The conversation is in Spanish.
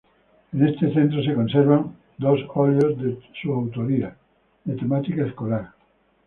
En este centro se conservan dos óleos de su autoría, de temática escolar.